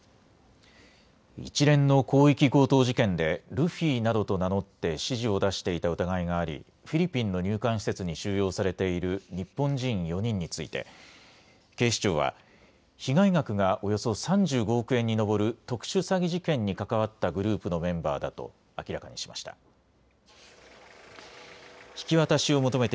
一連の広域強盗事件でルフィなどと名乗って指示を出していた疑いがありフィリピンの入管施設に収容されている日本人４人について警視庁は被害額がおよそ３５億円に上る特殊詐欺事件に関わったグループのメンバーだと明らかにしました。